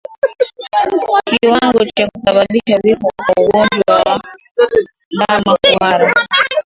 Kiwango cha kusababisha vifo kwa ugonjwa wa ndama kuhara